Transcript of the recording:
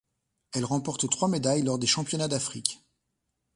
Elle remporte trois médailles lors des championnats d'Afrique.